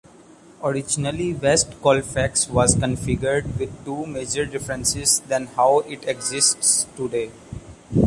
Originally West Colfax was configured with two major differences than how it exists today.